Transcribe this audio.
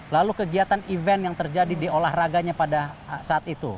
lalu kegiatan event yang terjadi di olahraganya pada saat itu